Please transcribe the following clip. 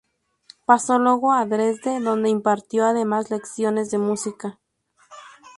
Pasó luego a Dresde, donde impartió además lecciones de música.